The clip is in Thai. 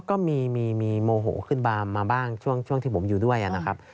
ก็มีโมโหขึ้นมาบ้างช่วงที่ผมอยู่ด้วยนะครับ